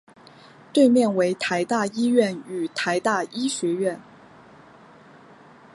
对面为台大医院与台大医学院。